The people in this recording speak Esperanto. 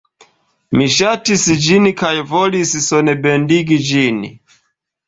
Mi ŝatis ĝin kaj volis sonbendigi ĝin.